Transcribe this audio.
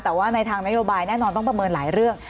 แต่ว่าในทางนโยบายแน่นอนต้องประเมินหลายเรื่อง